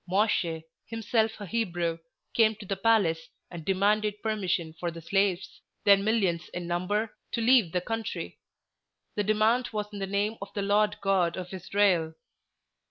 Mosche, himself a Hebrew, came to the palace, and demanded permission for the slaves, then millions in number, to leave the country. The demand was in the name of the Lord God of Israel.